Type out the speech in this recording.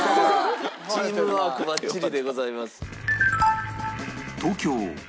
チームワークばっちりでございます。